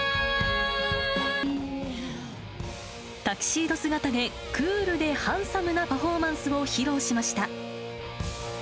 タキシード姿で、クールでハンサムなパフォーマンスを披露しました。